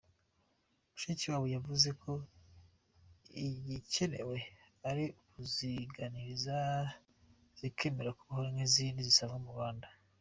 Mushikiwabo yavuze ko igikenewe ari ukuziganiriza zikemera kubaho nk’izindi zisanzwe mu Rwanda.